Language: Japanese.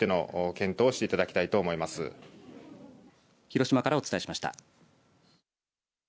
広島からお伝えしました。